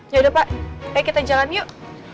yaudah pak ayo kita jalan yuk